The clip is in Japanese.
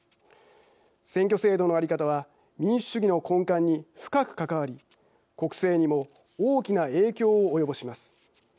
選挙制度の在り方は民主主義の根幹に深く関わり国政にも大きな影響を及ぼします。